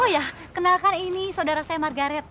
oh ya kenalkan ini saudara saya margaret